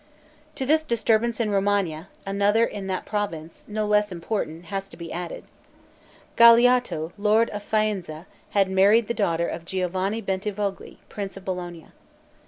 To this disturbance in Romagna, another in that province, no less important, has to be added. Galeotto, lord of Faenza, had married the daughter of Giovanni Bentivogli, prince of Bologna.